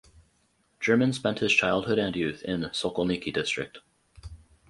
German spent his childhood and youth in Sokolniki District.